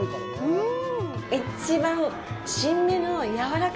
うん！